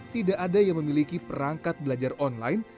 tidak ada yang memiliki perangkat belajar online